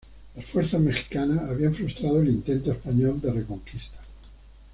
Las fuerzas mexicanas habían frustrado el intento español de reconquista.